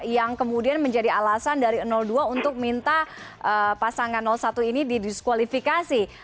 yang kemudian menjadi alasan dari dua untuk minta pasangan satu ini didiskualifikasi